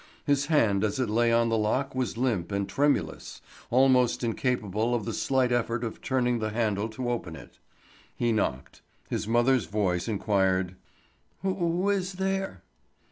His hand as it lay on the lock was limp and tremulous, almost incapable of the slight effort of turning the handle to open it. He knocked. His mother's voice inquired: "Who is there?"